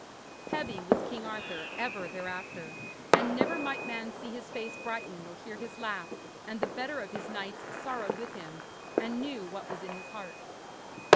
Heavy was King Arthur ever thereafter, and never might man see his face brighten nor hear his laugh; and the better of his knights sorrowed with him, and knew what was in his heart.